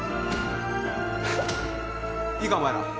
いいかお前ら。